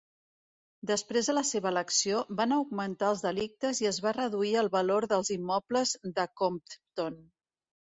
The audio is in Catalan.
Després de la seva elecció, van augmentar els delictes i es va reduir el valor dels immobles de Compton.